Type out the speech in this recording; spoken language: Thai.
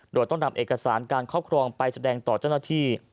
โดยต้องนำเอกสารการครอบครองไปแสดงต่อเจ้าหน้าที่